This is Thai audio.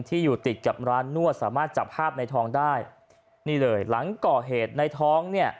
อยู่ติดกับร้านนวดสามารถจับภาพในทองได้นี่เลยหลังก่อเหตุในท้องเนี่ย